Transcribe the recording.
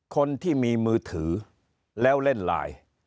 คนที่มีมือถือแล้วเล่นไลน์